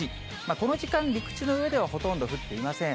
この時間、陸地の上ではほとんど降っていません。